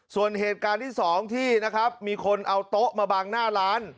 ส่วนเหตุการณ์ที่สองที่นะครับมีคนเอาโต๊ะมาบังหน้าร้าน